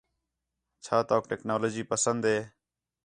چھا تَؤک ٹیکنالوجی پسند ہے؟